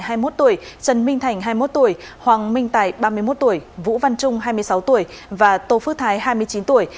trần hai mươi một tuổi trần minh thành hai mươi một tuổi hoàng minh tài ba mươi một tuổi vũ văn trung hai mươi sáu tuổi và tô phước thái hai mươi chín tuổi